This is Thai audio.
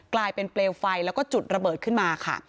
กลายเป็นเปลวไฟแล้วก็จุดระเบิดขึ้นมาค่ะ